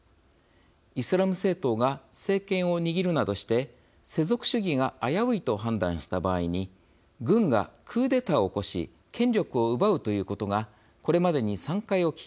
イスラム政党が政権を握るなどして世俗主義が危ういと判断した場合に軍がクーデターを起こし権力を奪うということがこれまでに３回起き